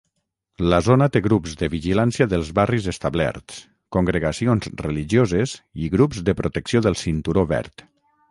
La zona té grups de vigilància dels barris establerts, congregacions religioses i grups de protecció del cinturó verd.